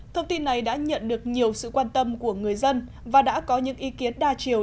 thông tin này đã nhận được nhiều sự quan tâm của người dân và đã có những ý kiến đa chiều